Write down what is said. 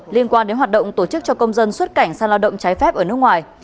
liên quan đến hoạt động tổ chức cho công dân xuất cảnh sang lao động trái phép ở nước ngoài